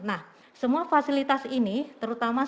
nah semua fasilitas ini ini adalah peralatan kebersihan